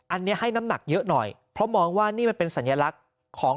อันนี้ให้น้ำหนักเยอะหน่อยเพราะมองว่านี่มันเป็นสัญลักษณ์ของ